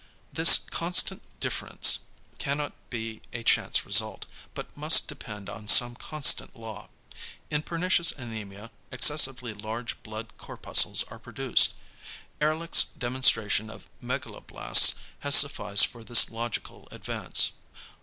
This constant difference cannot be a chance result, but must depend on some constant law: in pernicious anæmia excessively large blood corpuscles are produced. Ehrlich's demonstration of megaloblasts has sufficed for this logical advance.